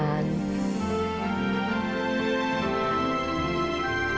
หาทีวีไปซ่อมขายเอามาขาย